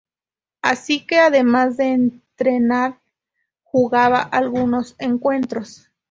Así que, además de entrenar, jugaba algunos encuentros.